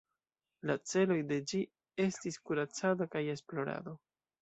La celoj de ĝi estis kuracado kaj esplorado.